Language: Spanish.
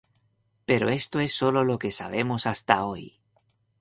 Pero esto es sólo lo que sabemos hasta hoy.